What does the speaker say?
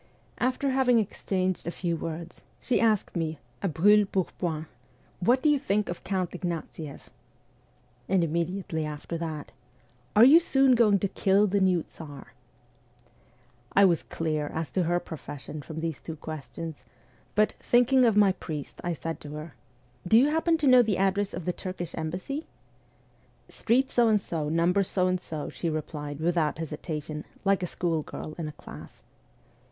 After having exchanged a few words, she asked me a brule pourpoint :' What do you think of Count Ignatieff ?' And immediately after that :' Are you soon going to kill the new Tsar ?' I was clear as to her profession from these two questions ; but, thinking of my priest, I said to her : 'Do you happen to know the address of the Turkish embassy ?'' Street So and so, number So and so,' she replied without hesitation, like a schoolgirl in a class.